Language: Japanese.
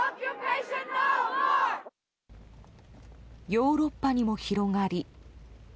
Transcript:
ヨーロッパにも広がり。